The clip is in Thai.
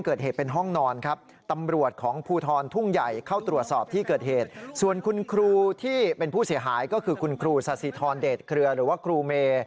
ก็คือคุณครูซาศิธรเดชเครือหรือว่าครูเมย์